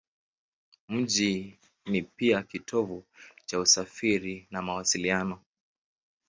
Mji ni pia kitovu cha usafiri na mawasiliano.